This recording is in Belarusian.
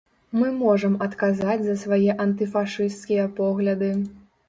Мы можам адказаць за свае антыфашысцкія погляды.